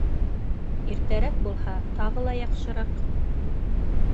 Иртәрәк булһа, тағы ла яҡшыраҡ.